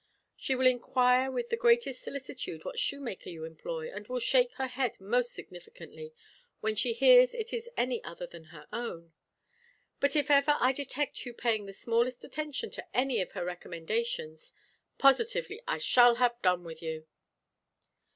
She will inquire with the greatest solicitude what shoemaker you employ, and will shake her head most significantly when she hears it is any other than her own. But if ever I detect you paying the smallest attention to any of her recommendations, positively I shall have done with you."